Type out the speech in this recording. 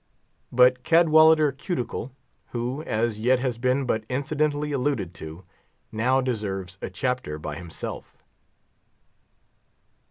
But Cadwallader Cuticle, who, as yet, has been but incidentally alluded to, now deserves a chapter by himself.